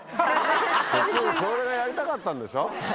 それがやりたかったんでしょ。